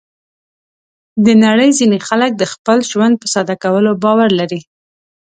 د نړۍ ځینې خلک د خپل ژوند په ساده کولو باور لري.